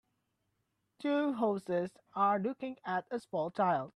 Two horses are looking at a small child.